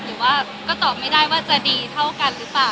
หรือว่าก็ตอบไม่ได้ว่าจะดีเท่ากันหรือเปล่า